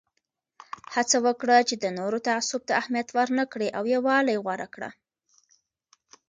هڅه وکړه چې د نورو تعصب ته اهمیت ورنه کړې او یووالی غوره کړه.